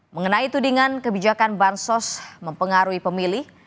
mengenai tudingan kebijakan bansos mempengaruhi pemilih